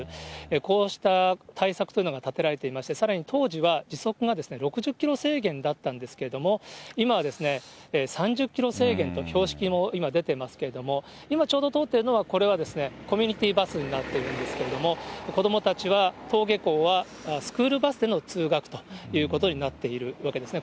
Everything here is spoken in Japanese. こうした対策というのが立てられていまして、さらに当時は時速が６０キロ制限だったんですけれども、今はですね、３０キロ制限と標識も今出てますけども、今ちょうど通っているのは、これはですね、コミュニティーバスになっているんですけれども、子どもたちは、登下校はスクールバスでの通学ということになっているわけですね。